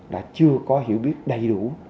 đã chưa có hiểu biết đầy đủ